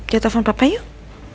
jatuhkan papa yuk